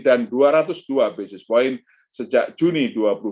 dan dua ratus dua basis point sejak juni dua ribu dua puluh